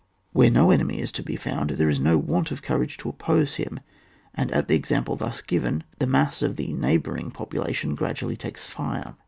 Where no enemy is to be found, there is no want of courage to oppose him, and at the example thus given, the mass of the neighbouring population gradually takes Are.